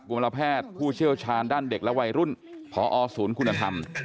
วรแพทย์ผู้เชี่ยวชาญด้านเด็กและวัยรุ่นพอศูนย์คุณธรรม